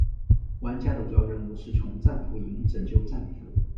玩家的主要任务是从战俘营拯救战俘。